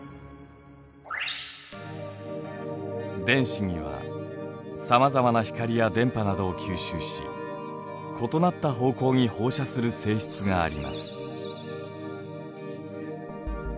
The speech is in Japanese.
電子にはさまざまな光や電波などを吸収し異なった方向に放射する性質があります。